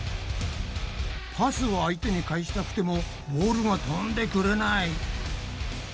パスを相手に返したくてもボールがとんでくれない。